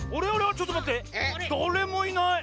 ちょっとまってだれもいない！